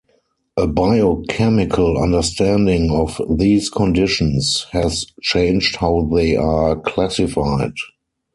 A biochemical understanding of these conditions has changed how they are classified.